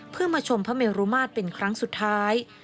เพื่อมาชมพระเมรุมาตรเป็นครั้งสุดท้าย